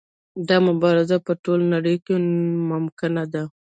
دا مبارزه په ټوله نړۍ کې ممکنه ده.